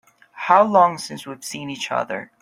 How long since we've seen each other?